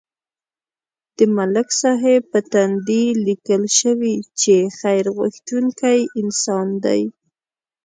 د ملک صاحب په تندي لیکل شوي چې خیر غوښتونکی انسان دی.